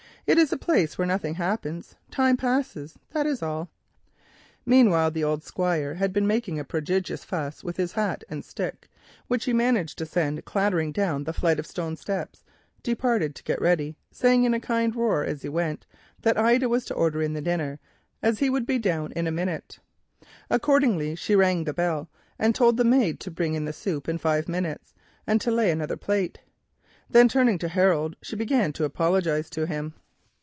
It is a place where nothing happens—time passes, that is all." Meanwhile the old Squire, who had been making a prodigious fuss with his hat and stick, which he managed to send clattering down the flight of stone steps, departed to get ready, saying in a kind of roar as he went that Ida was to order in the dinner, as he would be down in a minute. Accordingly she rang the bell, and told the maid to bring in the soup in five minutes and to lay another place. Then turning to Harold she began to apologise to him.